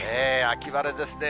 秋晴れですね。